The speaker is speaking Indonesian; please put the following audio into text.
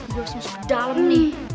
gue harus masuk ke dalem nih